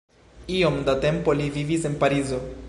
Iom da tempo li vivis en Parizo.